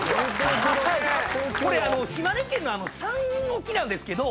これ島根県の山陰沖なんですけど。